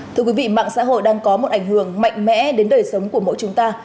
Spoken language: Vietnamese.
thưa quý vị mạng xã hội đang có một ảnh hưởng mạnh mẽ đến đời sống của mỗi chúng ta